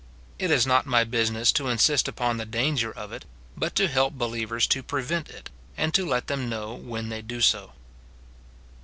It is not my business to insist upon the danger of it, but to help believers to prevent it, and to let them know when they do so.